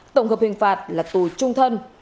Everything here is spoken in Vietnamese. tổng hợp hình phạt là tù trung thân